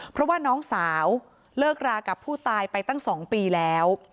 เพราะว่าน้องสาวเลิกรากับผู้ตายไปตั้ง๒ปีแล้ว